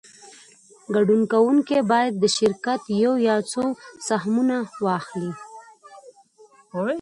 ګډون کوونکی باید د شرکت یو یا څو سهمونه واخلي